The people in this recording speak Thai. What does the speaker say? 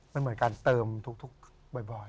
มันเหมือนการเติมทุกบ่อย